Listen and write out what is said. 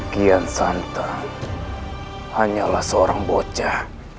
kian santa hanyalah seorang bocah